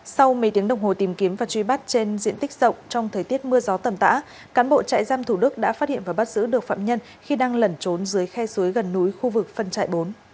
sau mấy tiếng đồng hồ tìm kiếm và truy bắt trên diện tích rộng trong thời tiết mưa gió tầm tã cán bộ trại giam thủ đức đã phát hiện và bắt giữ được phạm nhân khi đang lẩn trốn dưới khe suối gần núi khu vực phân trại bốn